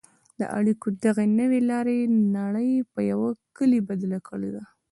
د اړیکو دغې نوې لارې نړۍ په یوه کلي بدله کړې ده.